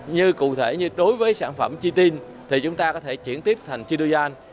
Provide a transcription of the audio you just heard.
như cụ thể như đối với sản phẩm chitin thì chúng ta có thể chuyển tiếp thành chitoyan